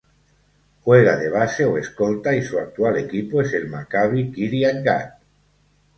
Juega de base o escolta y su actual equipo es el Maccabi Kiryat Gat.